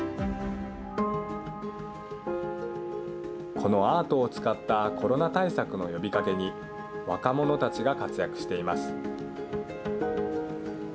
このアートを使ったコロナ対策の呼びかけに若者たちが活躍しています。